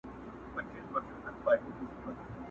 ځکه ډلي جوړوي د شریکانو!!